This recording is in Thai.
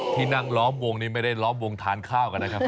ที่นั่งล้อมวงนี้ไม่ได้ล้อมวงทานข้าวกันนะครับ